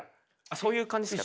そういう感じですか？